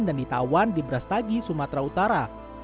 dan ditawan di brastagi sumatera utara